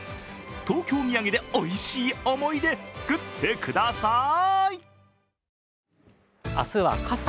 東京土産でおいしい思い出作ってください。